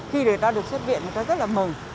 khi người ta được xuất viện người ta rất là mừng